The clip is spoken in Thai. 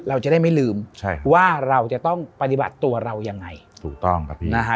เราจะได้ไม่ลืมใช่ว่าเราจะต้องปฏิบัติตัวเรายังไงถูกต้องครับพี่นะฮะ